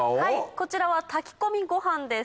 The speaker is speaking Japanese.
こちらは炊き込みご飯です。